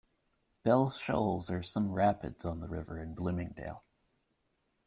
Bell Shoals are some rapids on the river in Bloomingdale.